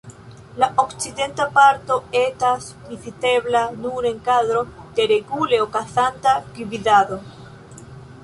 La okcidenta parto etas vizitebla nur en kadro de regule okazanta gvidado.